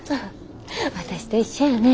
私と一緒やね。